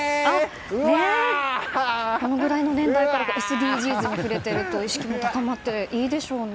これくらいの年代がＳＤＧｓに触れていると意識も高まっていいでしょうね。